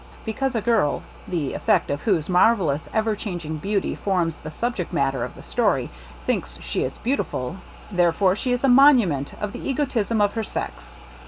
Because a girl, the efifect of whose marvellous everchanging beauty forms the subject matter of the story, thinks she is beautiful — therefore she is a monument of the egotism of her sex